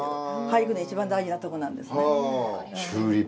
俳句には一番大事なとこなんですね。